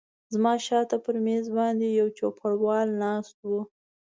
زما شاته پر مېز باندې یو چوپړوال ناست و.